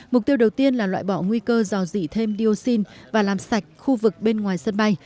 mục tiêu đầu tiên là loại bỏ nguy cơ dò dị thêm dioxin và làm sạch khu vực bên ngoài sân bay